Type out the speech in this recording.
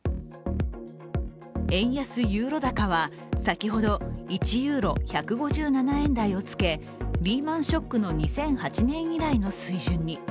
円安・ユーロ高は先ほど１ユーロ＝１５７円台をつけリーマン・ショックの２００８年以来の水準に。